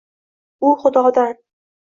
U xudodan